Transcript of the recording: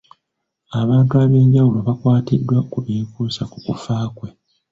Abantu ab'enjawulo bakwatiddwa ku byekuusa ku kufa kwe.